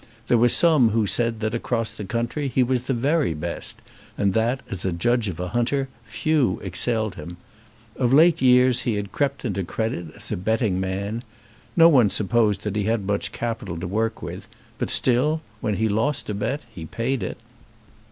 There were some who said that, across country, he was the very best, and that, as a judge of a hunter, few excelled him. Of late years he had crept into credit as a betting man. No one supposed that he had much capital to work with; but still, when he lost a bet he paid it.